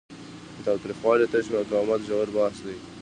له تاوتریخوالي تش مقاومت ژور بحث دی.